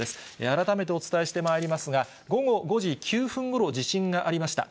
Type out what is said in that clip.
改めてお伝えしてまいりますが、午後５時９分ごろ、地震がありました。